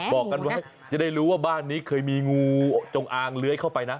บอกกันไว้จะได้รู้ว่าบ้านนี้เคยมีงูจงอางเลื้อยเข้าไปนะ